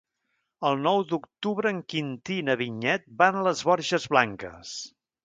El nou d'octubre en Quintí i na Vinyet van a les Borges Blanques.